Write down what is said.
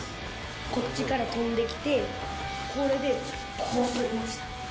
こっちから飛んできて、これでこう捕りました。